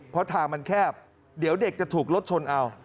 เพราะทางมันแคบเดี๋ยวเด็กจะถูกรถชนเอา